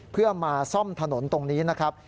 เพื่อมาซ่อมถนนตรงนี้นะครับ